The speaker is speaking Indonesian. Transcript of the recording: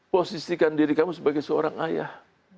posisikan diri kamu sebagai seorang ayah